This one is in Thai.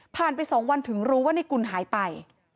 ผ่านไป๒วันถึงรู้ว่านายกุลหายไป